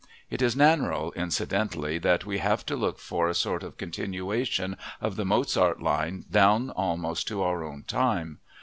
It is a Nannerl, incidentally, that we have to look for a sort of continuation of the Mozart line down almost to our own time.